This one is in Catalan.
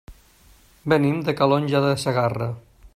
Venim de Calonge de Segarra.